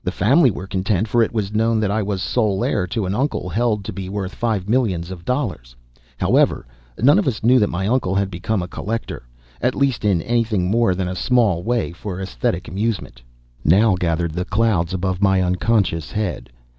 The family were content, for it was known that I was sole heir to an uncle held to be worth five millions of dollars. However, none of us knew that my uncle had become a collector, at least in anything more than a small way, for esthetic amusement. Now gathered the clouds above my unconscious head.